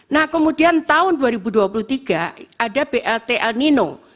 nah kemudian tahun dua ribu dua puluh tiga ada blt el nino